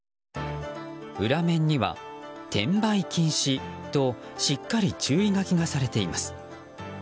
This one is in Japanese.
裏面には、転売禁止としっかり注意書きがされています。